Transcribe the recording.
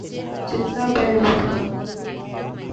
جتنا بیروت کا۔